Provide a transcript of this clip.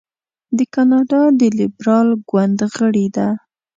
د کاناډا د لیبرال ګوند غړې ده.